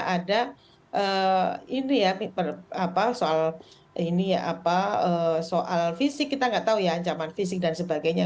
ada ini ya soal fisik kita tidak tahu ya ancaman fisik dan sebagainya